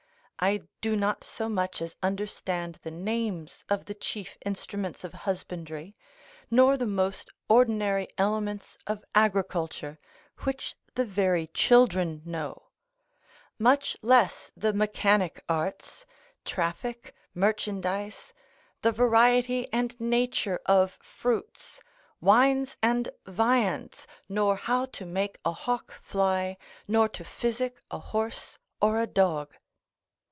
I do not so much as understand the names of the chief instruments of husbandry, nor the most ordinary elements of agriculture, which the very children know: much less the mechanic arts, traffic, merchandise, the variety and nature of fruits, wines, and viands, nor how to make a hawk fly, nor to physic a horse or a dog.